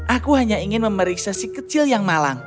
aku hanya ingin memeriksa si kecil yang malang